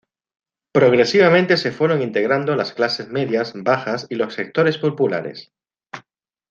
Progresivamente se fueron integrando las clases medias bajas y los sectores populares.